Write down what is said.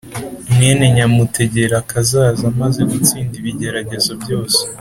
Mwene nyamutegerakazaza amaze gutsinda ibigeragezo byose